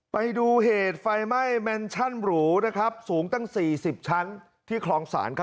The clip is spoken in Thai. ไปดูเหตุไฟไหม้แมนชั่นหรูนะครับสูงตั้ง๔๐ชั้นที่คลองศาลครับ